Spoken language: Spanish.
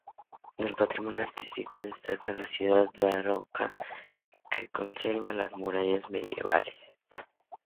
Del patrimonio artístico destacar la ciudad de Daroca, que conserva las murallas medievales.